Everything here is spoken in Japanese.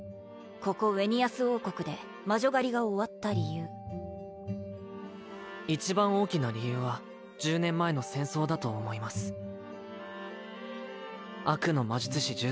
ここウェニアス王国で魔女狩りが終わった理由一番大きな理由は１０年前の戦争だと思います悪の魔術師